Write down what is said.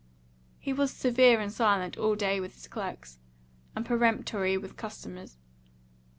He was severe and silent all day with his clerks, and peremptory with customers.